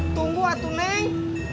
tunggu waktu neng